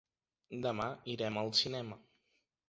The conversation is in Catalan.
Demà irem al cinema.